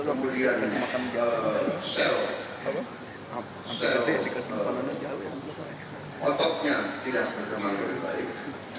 kemudian sel otoknya tidak berkembang dengan baik